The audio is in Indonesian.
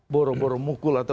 boroboro mukul atau